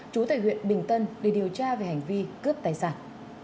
chú tại huyện bình tân để điều tra về hành vi cướp tài sản